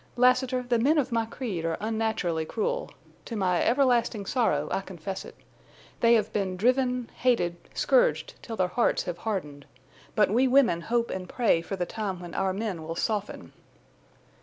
Lassiter, the men of my creed are unnaturally cruel. To my everlasting sorrow I confess it. They have been driven, hated, scourged till their hearts have hardened. But we women hope and pray for the time when our men will soften."